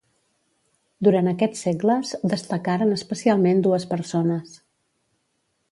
Durant aquests segles destacaren especialment dues persones.